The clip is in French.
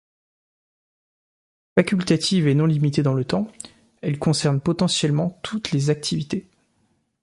Facultative et non limitée dans le temps, elle concerne potentiellement toutes les activités.